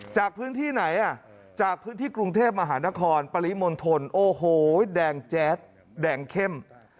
จากพื้นที่ไหนอ่ะจากพื้นที่กรุงเทพมหานครปริมณฑลโอ้โหแดงแจ๊ดแดงเข้ม